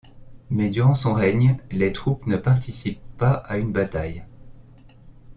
Mais durant son règne, les troupes ne participent pas à une bataille.